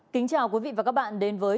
kính chào quý vị và các bạn đến với